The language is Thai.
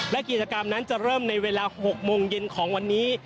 และกิจกรรมนั้นจะเริ่มในเวลา๖โมงเย็นของวันนี้